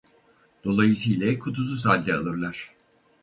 Dolayısı ile kutusuz halde alırlar.